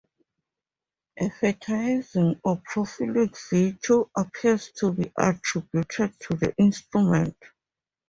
A fertilizing or prolific virtue appears to be attributed to the instrument.